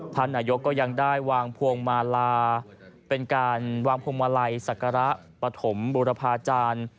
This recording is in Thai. ท่านนายกก็ยังได้วางพวงมาลาเป็นการวางพวงมาลัยศักระปฐมบุรพาจารย์